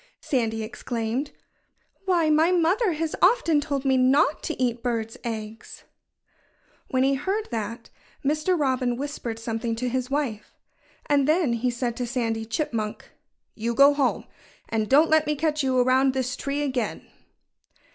Sandy exclaimed. "Why, my mother has often told me not to eat birds' eggs." When he heard that, Mr. Robin whispered something to his wife. And then he said to Sandy Chipmunk: "You go home! And don't let me catch you around this tree again!"